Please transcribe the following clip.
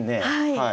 はい。